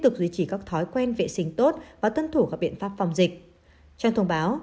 tục duy trì các thói quen vệ sinh tốt và tuân thủ các biện pháp phòng dịch trong thông báo